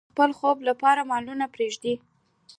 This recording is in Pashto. هغه د خپل خوب لپاره مالونه پریږدي.